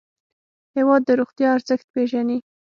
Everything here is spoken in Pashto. هېواد د روغتیا ارزښت پېژني.